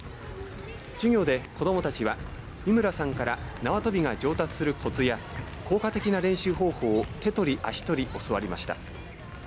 授業で子どもたちは三村さんから縄跳びが上達するこつや効果的な練習方法を手とり足とり教わりました。